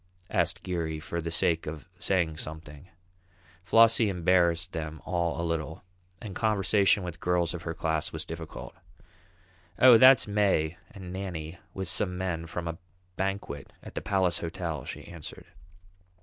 asked Geary for the sake of saying something. Flossie embarrassed them all a little, and conversation with girls of her class was difficult. "Oh, that's May and Nannie with some men from a banquet at the Palace Hotel," she answered.